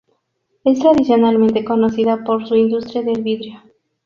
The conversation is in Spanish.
Es tradicionalmente conocida por su industria del vidrio.